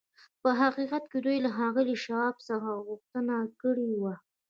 په حقیقت کې دوی له ښاغلي شواب څخه غوښتنه کړې وه